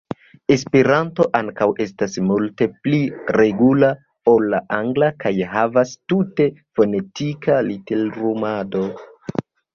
Esperanto ankaŭ estas multe pli regula ol la angla kaj havas tute fonetika literumado.